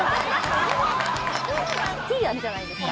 ティーあるじゃないですか。